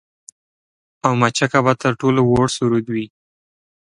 او مچکه به تر ټولو وُړ سرود وي